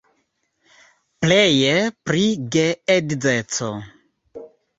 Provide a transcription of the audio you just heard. Pleje pri geedzeco.